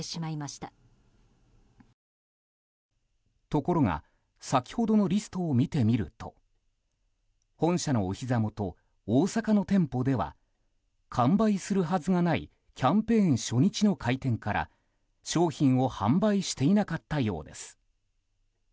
ところが先ほどのリストを見てみると本社のおひざ元、大阪の店舗では完売するはずがないキャンペーン初日の開店から商品を販売していなかったようです。